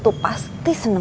ntutu pasti seneng boneka